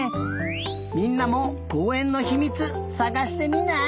みんなもこうえんのひみつさがしてみない？